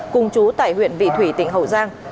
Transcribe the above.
cùng chú tại huyện vị thủy tỉnh hậu giang